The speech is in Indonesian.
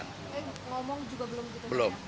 eh ngomong juga belum gitu